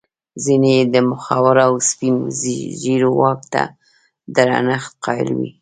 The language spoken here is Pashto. ځیني یې د مخورو او سپین ږیرو واک ته درنښت قایل وي.